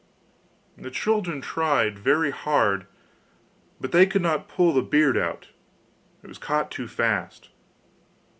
The children tried very hard, but they could not pull the beard out, it was caught too fast.